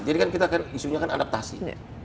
jadi kan kita kan isunya kan adaptasi